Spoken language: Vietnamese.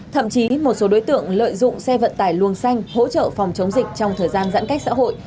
thậm chí một số đối tượng lợi dụng xe vận tải luồng xanh hỗ trợ phòng chống dịch trong thời gian giãn cách xã hội